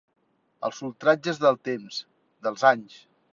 Els ultratges del temps, dels anys.